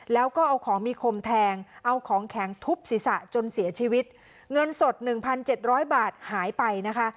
แล้วก็เอาของมีคมแทงเอาของแข็งทุบศีรษะจนเสียชีวิตเงินสด๑๗๐๐บาทหายไปนะคะ